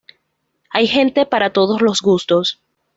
Hay gente para todos los gustos